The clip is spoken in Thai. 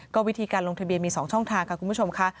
ก็วิธีการลงทะเบียนมี๒ช่องทางค่ะคุณผู้ชมค่ะ